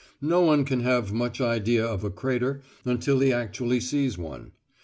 No one can have much idea of a crater until he actually sees one.